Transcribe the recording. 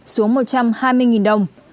xuống một trăm hai mươi đồng